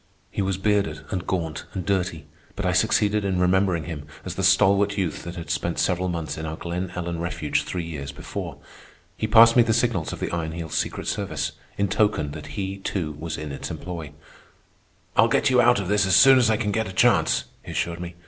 He was bearded and gaunt and dirty, but I succeeded in remembering him as the stalwart youth that had spent several months in our Glen Ellen refuge three years before. He passed me the signals of the Iron Heel's secret service, in token that he, too, was in its employ. "I'll get you out of this as soon as I can get a chance," he assured me.